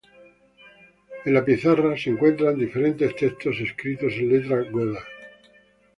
En la pizarra se encuentran diferentes textos escritos en letra "goda".